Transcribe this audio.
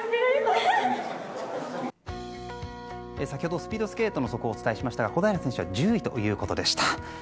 先ほどスピードスケートの速報をお伝えしましたが小平選手は１０位ということでした。